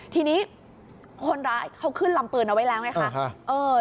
ทีนี้คนร้ายเขาขึ้นลำปืนเอาไว้แล้วไงคะ